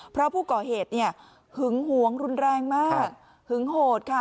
เพราะผู้ก่อเหตุเนี่ยหึงหวงรุนแรงมากหึงโหดค่ะ